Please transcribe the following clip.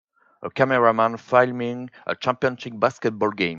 A cameraman filming a championship basketball game.